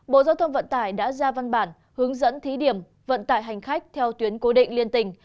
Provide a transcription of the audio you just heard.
bộ giao thông vận tải đã ra văn bản hướng dẫn thí điểm vận tải hành khách theo tuyến cố định liên tỉnh